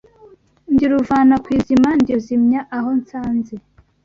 Ndi Ruvana ku izima ndi ruzimya aho nsanze